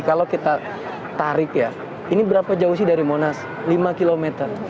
kalau kita tarik ya ini berapa jauh sih dari monas lima km